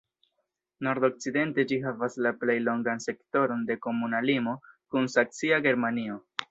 Nordokcidente ĝi havas la plej longan sektoron de komuna limo kun saksia Germanio.